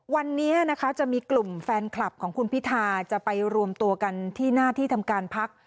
วันนี้นะคะจะมีกลุ่มแฟนคลับของคุณพิธาจะไปรวมตัวกันที่หน้าที่ทำการพัก